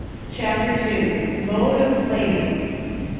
CHAPTER II. MODE OF PLAYING.